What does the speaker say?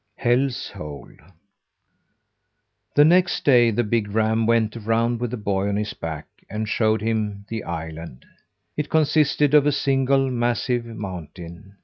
HELL'S HOLE The next day the big ram went around with the boy on his back, and showed him the island. It consisted of a single massive mountain.